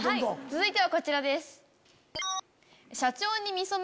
続いてはこちらです。